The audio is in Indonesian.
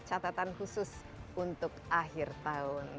catatan khusus untuk akhir tahun